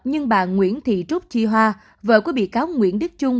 nhưng bà nguyễn thị trúc chi hoa vợ của bị cáo nguyễn đức trung